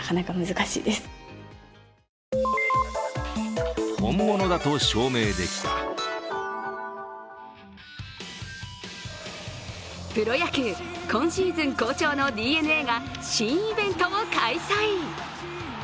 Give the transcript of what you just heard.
チャレンジしてみたいことはプロ野球、今シーズン好調のＤｅＮＡが新イベントを開催。